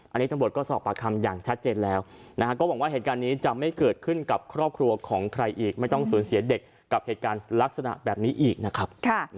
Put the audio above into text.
อันนี้ตำรวจก็สอบปากคำอย่างชัดเจนแล้วก็หวังว่าเหตุการณ์นี้จะไม่เกิดขึ้นกับครอบครัวของใครอีกไม่ต้องสูญเสียเด็กกับเหตุการณ์ลักษณะแบบนี้อีกนะครับ